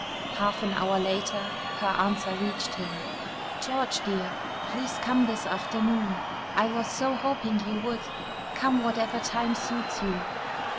Half an hour later her answer reached him. "George dear, please come this afternoon. I was so hoping you would. Come whatever time suits you.